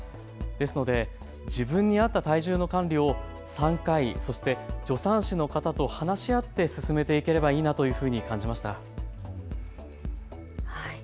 ですので自分に合った体重の管理を産科医、そして助産師の方と話し合って進めていければいいと感じました。